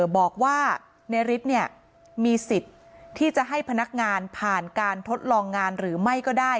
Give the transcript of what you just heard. บอกว่าในฤทธิ์มีสิทธิ์ที่จะให้พนักงานผ่านการทดลองงานหรือไม่ก็ได้